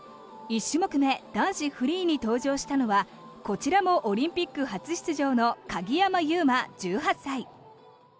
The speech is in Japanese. １種目目男子フリーに登場したのはこちらもオリンピック初出場の鍵山優真、１８歳。